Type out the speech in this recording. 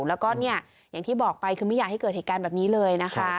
แล้วก็เนี่ยอย่างที่บอกไปคือไม่อยากให้เกิดเหตุการณ์แบบนี้เลยนะคะ